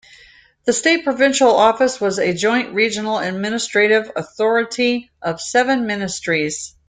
The State Provincial Office was a joint regional administrative authority of seven ministries.